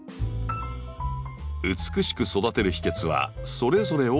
美しく育てる秘訣はそれぞれをよく知ること。